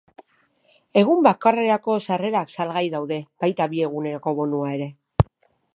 Egun bakarrerako sarrerak salgai daude, baita bi eguneko bonua ere.